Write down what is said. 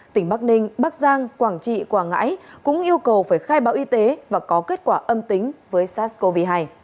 tỉnh bắc ninh bắc giang quảng trị quảng ngãi cũng yêu cầu phải khai báo y tế và có kết quả âm tính với sars cov hai